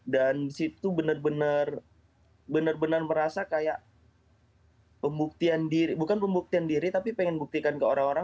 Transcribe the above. dan disitu benar benar merasa kayak pembuktian diri bukan pembuktian diri tapi pengen buktikan ke orang orang